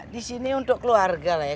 di sini untuk keluarga lah ya